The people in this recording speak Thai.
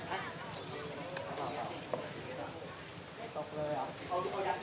ที่กินใกล้ใกล้๔๕กิโลกรัมนะครับ